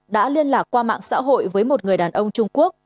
đã liên lạc qua mạng xã hội với một người đàn ông trung quốc